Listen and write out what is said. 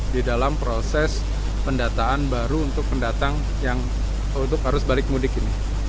di dalam proses pendataan baru untuk pendatang yang untuk arus balik mudik ini